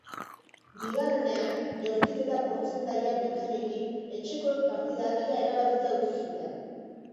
Bigarrenean, jaurtiketa portzentaia bikainekin, etxekoek partida ia erabakita utzi zuten.